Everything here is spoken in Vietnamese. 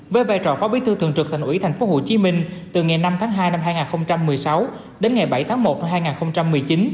với vai trò phó bí thư thường trực thành ủy tp hcm từ ngày năm tháng hai năm hai nghìn một mươi sáu đến ngày bảy tháng một năm hai nghìn một mươi chín